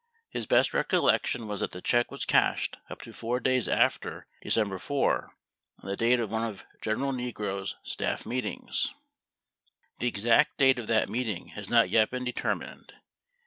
His best recollection was that the check was cashed up to 4 days after Decem ber 4, on the date of one of General Nigro's staff meetings. 20 The exact date of that meeting has not yet been determined.